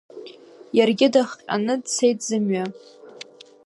Иаргьы дахҟьаны дцеит зымҩа.